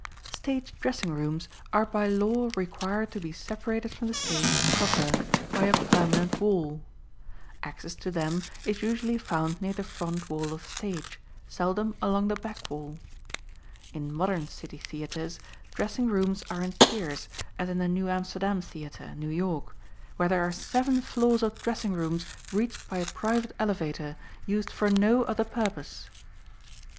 Stage dressing rooms are by law required to be separated from the stage proper by a permanent wall. Access to them is usually found near the front wall of the stage, seldom along the back wall. In modern city theatres dressing rooms are in tiers, as in the New Amsterdam Theatre, New York, where there are seven floors of dressing rooms reached by a private elevator used for no other purpose.